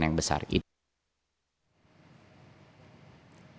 dan juga untuk memastikan bahwa penyelesaian akan berjalan dengan lebih cepat